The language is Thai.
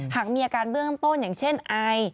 หากมีอาการเบื้องต้นอย่างเช่นไอ